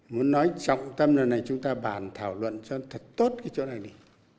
muốn nói trọng tâm lần này chúng ta bàn thảo luận cho thật tốt cái chỗ này đi